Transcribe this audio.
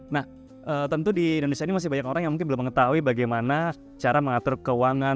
nah tentu di indonesia masih banyak orang yang belum mengetahui bagaimanacara mengatur keuangan